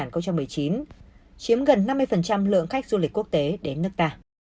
chiếm gần năm mươi lượng khách du lịch quốc tế đến nước ta